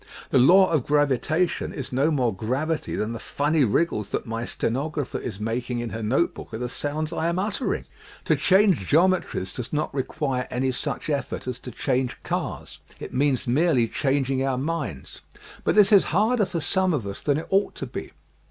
The law of gravitation is no more gravity than the funny wriggles that my stenographer is making in her note book are the sounds I am uttering. To change geome tries does not require any such effort as to change cars. It means merely changing our minds. But this is harder for some of us than it ought to be.